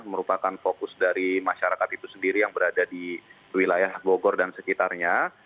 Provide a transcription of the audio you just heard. merupakan fokus dari masyarakat itu sendiri yang berada di wilayah bogor dan sekitarnya